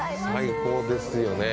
最高ですよね。